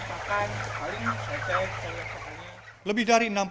jangan lupa untuk mencari jahat